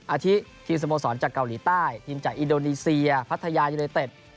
อาทิทีมสโมสรจากเกาหลีใต้ทีมจากอินโดนีเซียพัทยายูเนเต็ด